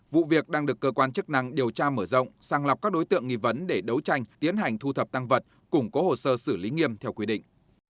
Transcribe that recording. vụ việc đang được cơ quan chức năng điều tra mở rộng sàng lọc các đối tượng nghi vấn để đấu tranh tiến hành thu thập tăng vật củng cố hồ sơ xử lý nghiêm theo quy định